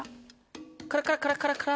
カラカラカラカラカラ。